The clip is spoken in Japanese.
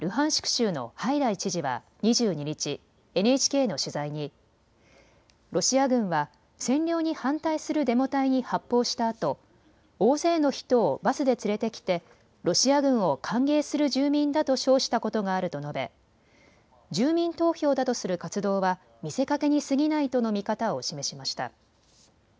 州のハイダイ知事は２２日、ＮＨＫの取材にロシア軍は占領に反対するデモ隊に発砲したあと大勢の人をバスで連れてきてロシア軍を歓迎する住民だと称したことがあると述べ住民投票だとする活動は見せかけにすぎないとの見方を示しました。